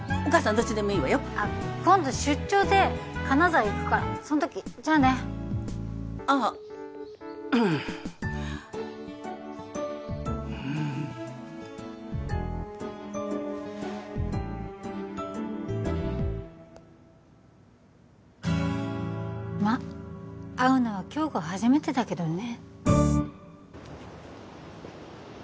どっちでもいいわよあっ今度出張で金沢行くからそん時じゃあねあっうんまっ会うのは今日が初めてだけどね